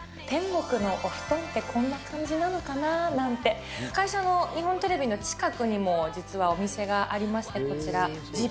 天国のお布団ってこんな感じなのかななんて、会社の日本テレビの近くにも実はお店がありまして、こちら、ＺＩＰ！